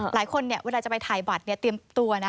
หลายคนเวลาจะไปถ่ายบัตรเตรียมตัวนะ